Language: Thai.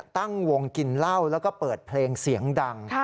ตั้งวงกินเหล้าแล้วก็เปิดเพลงเสียงดัง